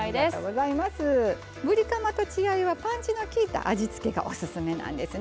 ぶりカマと血合いはパンチのきいた味付けがおすすめなんですね。